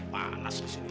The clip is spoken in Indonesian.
panas di sini